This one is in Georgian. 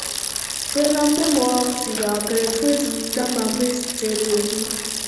ჩვენამდე მოაღწია აგრეთვე წმინდა მამის წერილებმა.